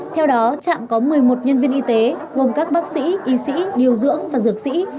theo đó trạm có một mươi một nhân viên y tế gồm các bác sĩ y sĩ điều dưỡng và dược sĩ